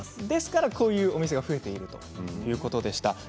ですからこういうお店が増えているということです。